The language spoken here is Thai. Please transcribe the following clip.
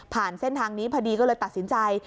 เส้นทางนี้พอดีก็เลยตัดสินใจ